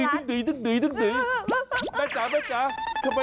แม่จ๋าทำไมเป็นแผ่นเป็นเดียวไหวหรือ